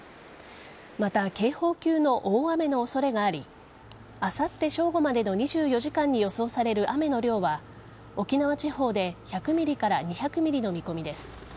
また、警報級の大雨の恐れがありあさって正午までの２４時間に予想される雨の量は沖縄地方で１００ｍｍから２００ｍｍの見込みです。